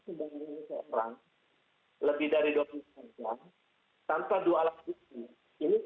jadi tidak bisa menangkap sembangat ini oleh orang lebih dari dua orang tanpa dua alat bukti